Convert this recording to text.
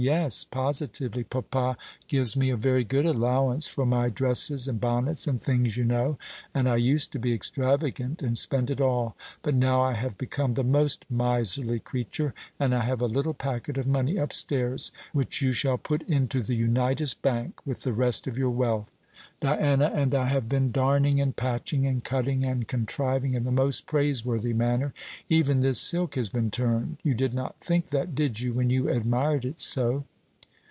Yes, positively. Papa gives me a very good allowance for my dresses, and bonnets, and things, you know, and I used to be extravagant and spend it all. But now I have become the most miserly creature; and I have a little packet of money upstairs which you shall put in the Unitas Bank with the rest of your wealth. Diana and I have been darning, and patching, and cutting, and contriving, in the most praiseworthy manner. Even this silk has been turned. You did not think that, did you, when you admired it so?"